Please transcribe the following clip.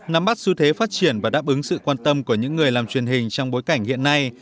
nắm bắt xu thế phát triển và đáp ứng sự quan tâm của những người làm truyền hình trong bối cảnh hiện nay